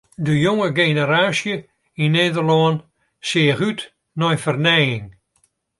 De jonge generaasje yn Nederlân seach út nei fernijing.